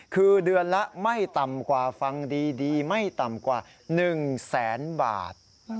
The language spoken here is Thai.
คือเดือนละไม่ต่ำกว่าฟังดีไม่ต่ำกว่า๑แสนบาท